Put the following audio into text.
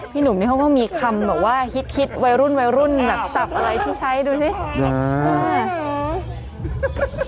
หนุ่มนี่เขาก็มีคำแบบว่าฮิตวัยรุ่นวัยรุ่นแบบสับอะไรที่ใช้ดูสิ